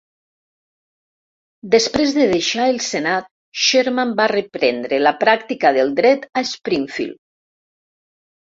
Després de deixar el Senat, Sherman va reprendre la pràctica del dret a Springfield.